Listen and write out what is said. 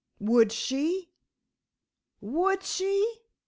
"Would she? would she?